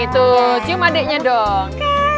tuh cium adeknya dong